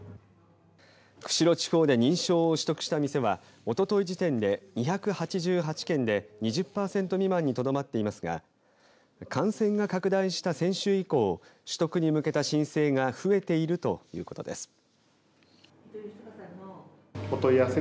釧路地方で認証を取得した店はおととい時点で、２８８件で２０パーセント未満にとどまっていますが感染が拡大した先週以降取得に向けた申請が増えているということです。